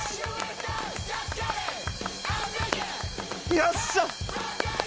よっしゃ！